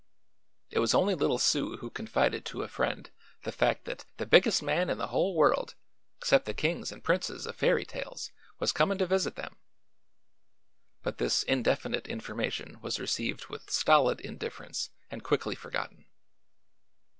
It was only little Sue who confided to a friend the fact that "the biggest man in the whole world, 'cept the kings an' princes of fairy tales, was coming to visit them;" but this indefinite information was received with stolid indifference and quickly forgotten.